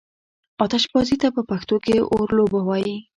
آتشبازي ته په پښتو کې اورلوبه وايي.